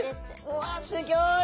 うわすギョい！